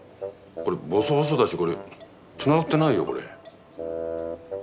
これボソボソだしこれつながってないよこれ。